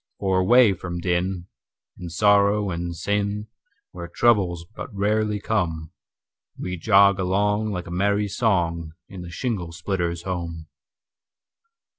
For away from din, and sorrow and sin, Where troubles but rarely come, We jog along, like a merry song, In the shingle splitter's home.